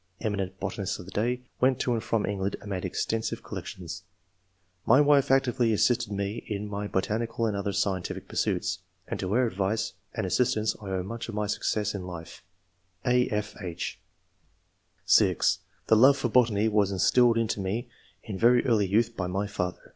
[eminent botanists of the day] ; went to and from England and made exteosive collections. N 178 ENGLISH MEN OF SCIENCE. [chap. My wife actively assisted me in my botanical and other scientific pursuits, and to her advice and assistance I owe much of my success in life/' (a,/, h) (6) " The love for botany was instilled into me in very early youth by my father.